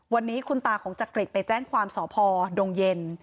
วันนี้คุณตาของจักริตไปแจ้งความสพดงเย็น